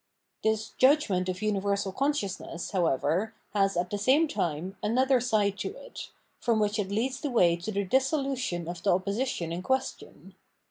This judgment [of umversal consciousness], however, has, at the same time, another side to it, from which it leads the way to the dissolution of the opposition in question.